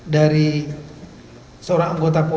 dari seorang anggota polri juga